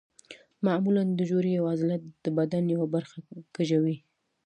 معمولا د جوړې یوه عضله د بدن یوه برخه کږوي.